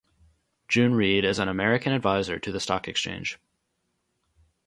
June Reed is an American adviser to the stock exchange.